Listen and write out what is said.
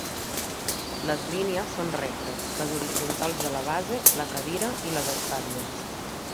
Les línies són rectes: les horitzontals de la base, la cadira i les espatlles.